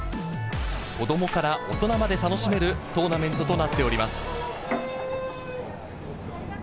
子供から大人まで楽しめるトーナメントとなっております。